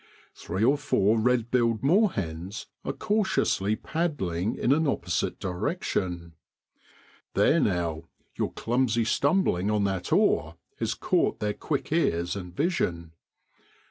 Three or four red billed moorhens are cautiously paddling in an opposite direction. There now ! your clumsy stumbling on that oar has caught their quick ears and vision.